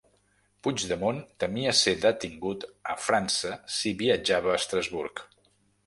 “Puigdemont temia ser detingut a França si viatjava a Estrasburg”.